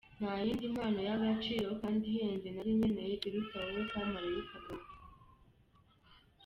Nta yindi mpano y’agaciro kandi ihenze nari nkeneye iruta wowe kamarayika gato.